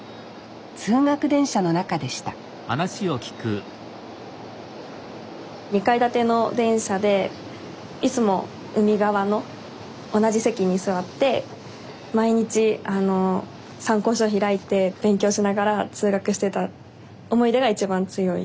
通学電車の中でした２階建ての電車でいつも海側の同じ席に座って毎日参考書開いて勉強しながら通学してた思い出が一番強い。